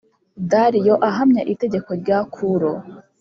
Dariyo ahamya itegeko rya Kuro